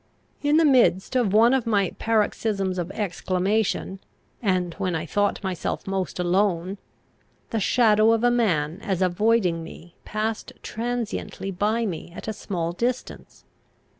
In the midst of one of my paroxysms of exclamation, and when I thought myself most alone, the shadow of a man as avoiding me passed transiently by me at a small distance.